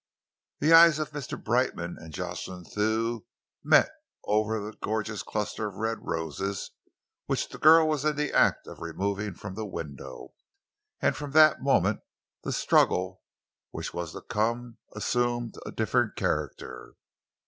The eyes of Mr. Brightman and Jocelyn Thew met over the gorgeous cluster of red roses which the girl was in the act of removing from the window, and from that moment the struggle which was to come assumed a different character.